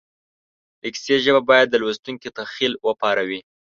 د کیسې ژبه باید د لوستونکي تخیل وپاروي